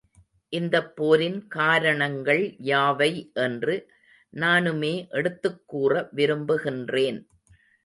இந்தப் போரின் கார ணங்கள் யாவை என்று நானுமே எடுத்துக் கூற விரும்பு கின்றேன்.